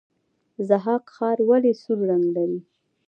ضحاک ښار ولې سور رنګ لري؟